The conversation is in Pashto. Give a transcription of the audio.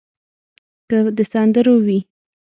که د سندرو وي.